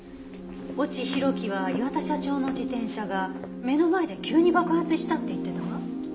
越智弘基は磐田社長の自転車が目の前で急に爆発したって言ってたわ。